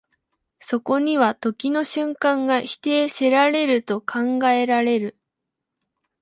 そこには時の瞬間が否定せられると考えられる。